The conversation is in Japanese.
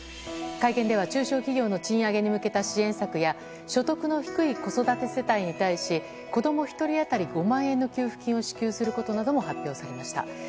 会見では中小企業の賃上げに向けた支援策や所得の低い子育て世帯に対し子供１人当たり５万円の給付金を支給することなども発表されました。